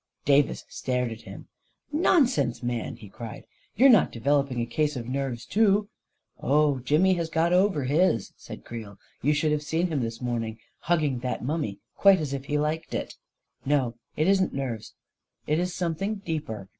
Davis stared at him. " Nonsense, man I " he cried. " You're not de veloping a case of nerves, too !"" Oh, Jimmy has got over his !" said Creel. " You should have seen him this morning hugging that mummy — quite as if he liked it 1 No, it isn't nerves — it is something deeper.